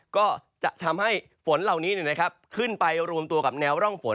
ก็จะทำให้ฝนเหล่านี้ขึ้นไปรวมตัวกับแนวร่องฝน